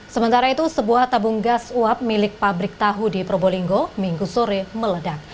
sementara itu sebuah tabung gas uap milik pabrik tahu di probolinggo minggu sore meledak